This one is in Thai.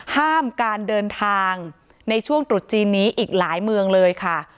ห้ามการเดินทางในช่วงตรุษจีนนี้อีกหลายเมืองเลยค่ะ